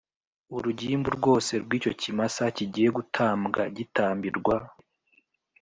urugimbu rwose rw icyo kimasa kigiye gutambwa gitambirwa